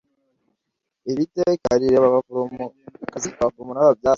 iri teka rireba abaforomokazi abaforomo n'ababyaza